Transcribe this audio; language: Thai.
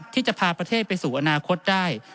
ที่จะพาประเทศไปสู่อนาคตได้